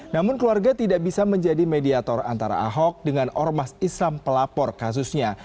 namun keluarga tidak bisa menjadi mediator antara ahok dengan ormas islam pelapor kasusnya